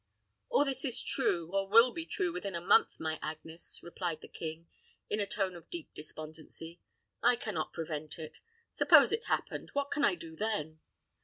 "All this is true, or will be true within a month, my Agnes," replied the king, in a tone of deep despondency. "I can not prevent it. Suppose it happened; what can I do then?"